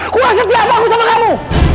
aku enggak setia apa aku sama kamu